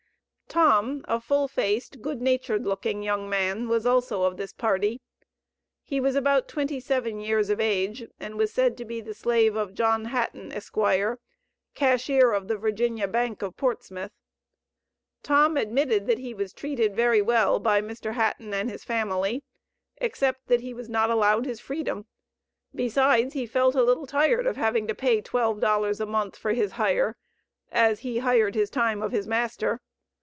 Tom, a full faced, good natured looking young man, was also of this party. He was about twenty seven years of age, and was said to be the slave of John Hatten, Esq., Cashier of the Virginia Bank of Portsmouth. Tom admitted that he was treated very well by Mr. Hatten and his family, except that he was not allowed his freedom; besides he felt a little tired of having to pay twelve dollars a month for his hire, as he hired his time of his master.